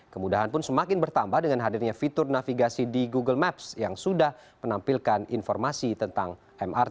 kemudahan pun semakin bertambah dengan hadirnya fitur navigasi di google maps yang sudah menampilkan informasi tentang mrt